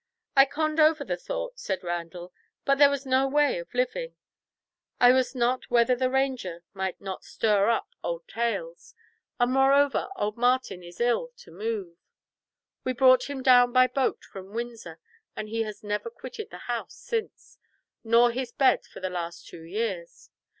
"I conned over the thought," said Randall, "but there was no way of living. I wist not whether the Ranger might not stir up old tales, and moreover old Martin is ill to move. We brought him down by boat from Windsor, and he has never quitted the house since, nor his bed for the last two years.